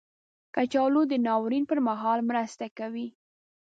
کچالو د ناورین پر مهال مرسته کوي